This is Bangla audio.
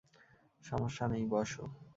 সমস্যা নেই, বসো।